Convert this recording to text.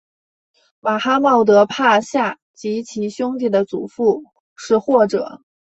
马哈茂德帕夏及其兄弟的祖父是或者。